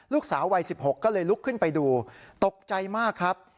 ลูกสาววัย๑๖ก็เลยลุกขึ้นไปดูตกใจมากครับ